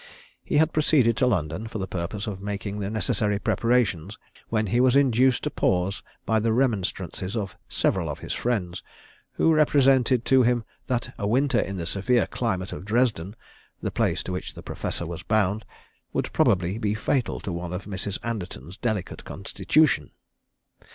He had proceeded to London, for the purpose of making the necessary preparations, when he was induced to pause by the remonstrances of several of his friends, who represented to him that a winter in the severe climate of Dresden the place to which the Professor was bound would probably be fatal to one of Mrs. Anderton's delicate constitution.